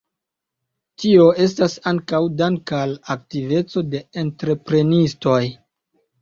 Tio estas ankaŭ dank al aktiveco de entreprenistoj.